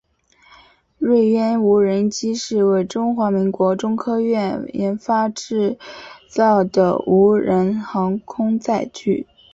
锐鸢无人机是为中华民国中科院研发制造的无人航空载具。